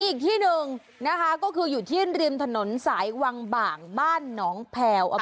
อีกที่หนึ่งนะคะก็คืออยู่ที่ริมถนนสายวังบ่างบ้านหนองแพลว